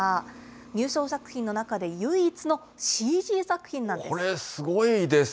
入賞作品の中で唯一のＣＧ作品なんです。